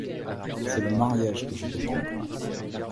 C’est le mariage que je demande.